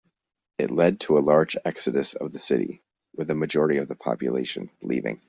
It led to a large exodus of the city, with a majority of the population leaving.